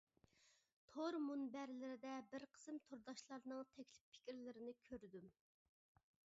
تور مۇنبەرلىرىدە بىر قىسىم تورداشلارنىڭ تەكلىپ پىكىرلىرىنى كۆردۈم.